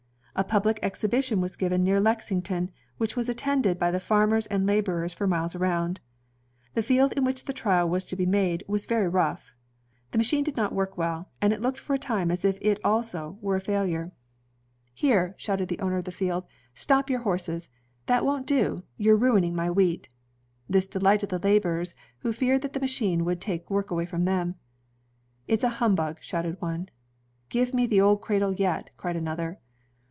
'' A public exhibition was given near Lexington, which was attended by the farmers and laborers for miles around. The field in which the trial was to be made "vgas very rough. The machine did not work well, and it looked for a time as if it also were a failure. ISO INVENTIONS OF MANUFACTURE AND PRODUCTION "IJere," shouted the owner of the field, "stop your horses. That won't do, you are mining my wheat." This delighted the laborers, who feared that the machine would take work away from them. "It's a humbug," shouted one. "Give me the old cradle yet," cried another.